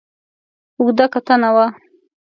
اوږده کتنه وه.